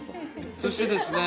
そしてですね